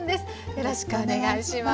よろしくお願いします。